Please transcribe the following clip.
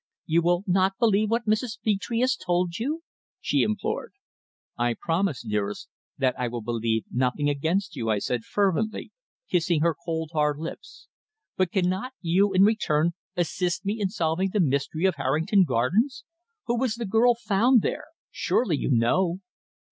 You will not believe what Mrs. Petre has told you?" she implored. "I promise, dearest, that I will believe nothing against you," I said fervently, kissing her cold, hard lips. "But cannot you, in return, assist me in solving the mystery of Harrington Gardens. Who was the girl found there? Surely you know?"